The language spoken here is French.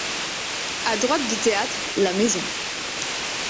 A droite du théâtre, la maison.